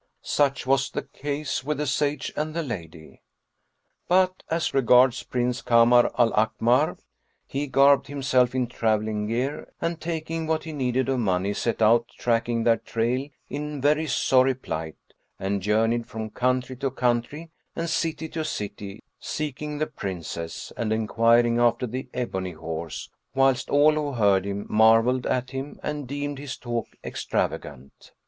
Such was the case with the Sage and the lady; but as regards Prince Kamar al Akmar, he garbed himself in travelling gear and taking what he needed of money, set out tracking their trail in very sorry plight; and journeyed from country to country and city to city seeking the Princess and enquiring after the ebony horse, whilst all who heard him marvelled at him and deemed his talk extravagant.